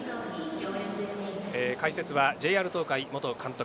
解説は、ＪＲ東海元監督